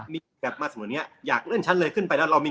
มีแบบมาเสมอเนี้ยอยากเลื่อนชั้นเลยขึ้นไปแล้วเรามี